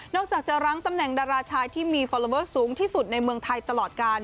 จากจะรั้งตำแหน่งดาราชายที่มีฟอลลอเบิร์ตสูงที่สุดในเมืองไทยตลอดการ